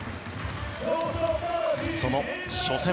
その初戦。